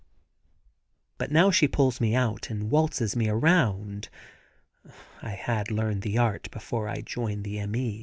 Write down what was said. But now she pulls me out and waltzes me around. (I had learned the art before I joined the M. E.